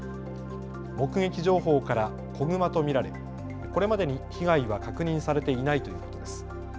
目撃情報から子グマと見られこれまでに被害は確認されていないということです。